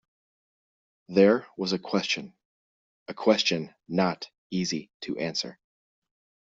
There was a question — a question not easy to answer.